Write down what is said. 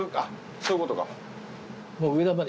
そういうことか。